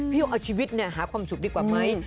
เอาชีวิตหาความสุขดีกว่าไหม